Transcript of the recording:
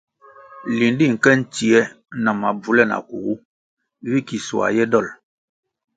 Lindi nke ntsie na mabvule nakugu vi ki soa ye dol.